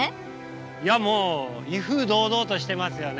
いやもう威風堂々としてますよね。